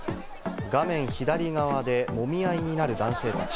画面左側でもみ合いになる男性たち。